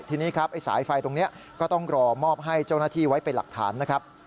ทีนี้ครับไอ้สายไฟตรงนี้ก็ต้องรอมอบให้เจ้าหน้าที่ไว้เป็นหลักฐานนะครับ